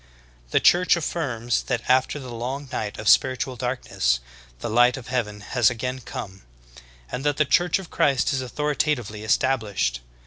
The Church affirms that after the long night of spir itual darkness, the light of heaven has again come ; and that the Church of Christ is authoritatively established.